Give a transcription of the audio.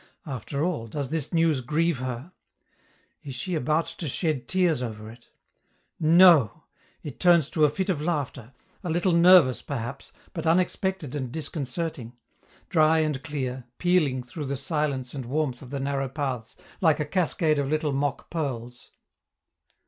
After all, does this news grieve her? Is she about to shed tears over it? No! it turns to a fit of laughter, a little nervous perhaps, but unexpected and disconcerting dry and clear, pealing through the silence and warmth of the narrow paths, like a cascade of little mock pearls.